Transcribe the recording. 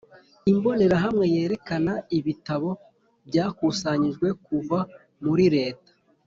Imbonerahamwe yerekana ibitabo byakusanijwe kuva muri leta